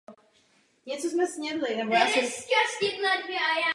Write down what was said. Výsledky ukázaly zvýšenou aktivitu v určitých částech mozku.